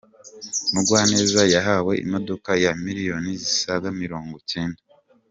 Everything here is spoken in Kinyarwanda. mugwaneza yahawe imodoka ya Miliyoni zisaga mirongo icyenda